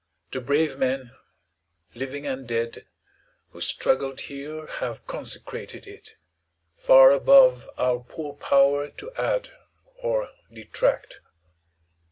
The brave men, living and dead, who struggled here have consecrated it, far above our poor power to add or detract.